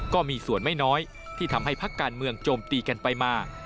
ก็มีส่วนไม่น้อยที่ทำให้พักการเมืองโจมตีกันไปมา